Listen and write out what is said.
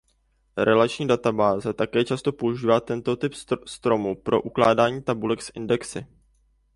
Relační databáze také často používají tento typ stromu pro ukládání tabulek s indexy.